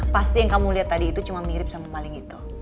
pasti yang kamu lihat tadi itu cuma mirip sama maling itu